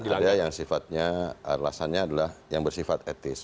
tidak ada yang sifatnya alasannya adalah yang bersifat etis